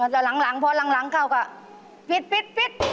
แต่หลังเพราะหลังเขาก็ปิด